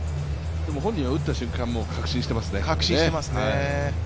でも本人は打った瞬間確信していますね。